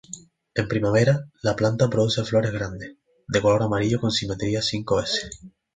En primavera, la planta produce flores grandes, de color amarillo con simetría cinco veces.